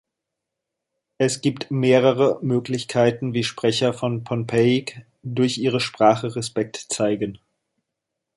Es gibt mehrere Möglichkeiten, wie Sprecher von Pohnpeic durch ihre Sprache Respekt zeigen.